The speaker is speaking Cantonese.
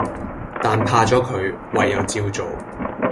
但怕左佢，唯有照做